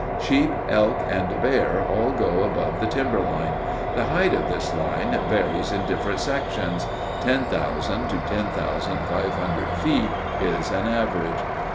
Sheep, elk, and bear all go above the timber line. The height of this line varies in different sections; ten thousand to ten thousand five hundred feet is an average.